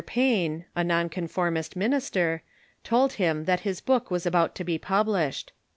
Payne, a non conformist minister, told hira that this book was about to be published.